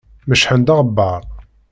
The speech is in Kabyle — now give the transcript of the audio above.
Mecḥen-d aɣebbar.